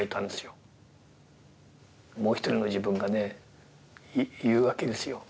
もう一人の自分がね言うわけですよ。